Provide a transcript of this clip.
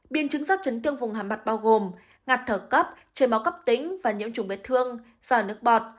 biên chứng sát trấn thương vùng hàm mặt bao gồm ngạt thở cấp chê máu cấp tính và nhiễm chủng vết thương dò nước bọt